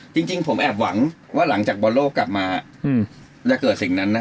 จริงผมแอบหวังว่าหลังจากบอลโลกกลับมาจะเกิดสิ่งนั้นนะ